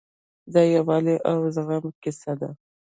د یووالي او زغم کیسه ده.